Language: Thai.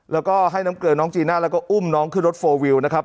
แล้วก็ให้น้ำเกลือน้องจีน่าแล้วก็อุ้มน้องขึ้นรถโฟลวิวนะครับ